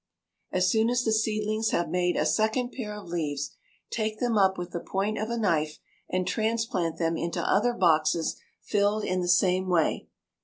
As soon as the seedlings have made a second pair of leaves, take them up with the point of a knife and transplant them into other boxes filled in the same way.